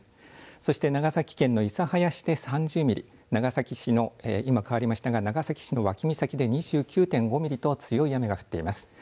そして長崎県の諫早市で３０ミリ長崎市の今、変わりましたが脇岬で２９．５ミリと非常に強い雨が降っています。